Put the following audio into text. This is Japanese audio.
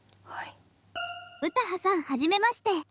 ・詩羽さんはじめまして。